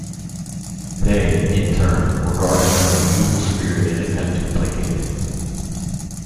They, in turn, regard him as an evil spirit and attempt to placate him.